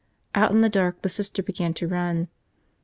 Out in the dark, the Sister began to run.